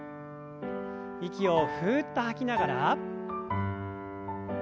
息をふっと吐きながら。